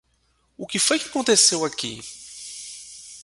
O que foi que aconteceu aqui?!